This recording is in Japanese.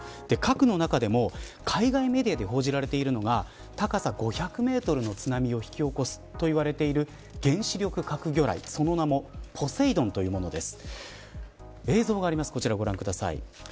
そんな中で使われるのではないかというのが核の中でも海外メディアで報じられているのが高さ５００メートルの津波を引き起こすと言われている原子力核魚雷その名もポセイドンというものです。